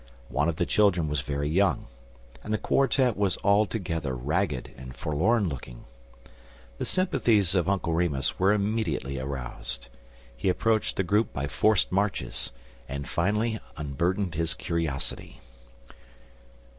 One of the children was very young, and the quartet was altogether ragged and forlorn looking. The sympathies of Uncle Remus were immediately aroused. He approached the group by forced marches, and finally unburdened his curiosity.